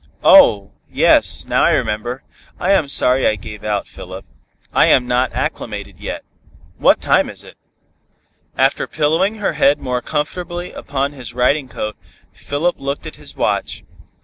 "Oh! yes, now I remember. I am sorry I gave out, Philip. I am not acclimated yet. What time is it?" After pillowing her head more comfortably upon his riding coat, Philip looked at his watch.